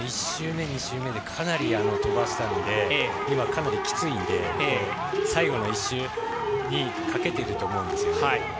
１周目、２周目でかなり飛ばしたので今、かなりきついので最後の１周にかけていると思うんですよね。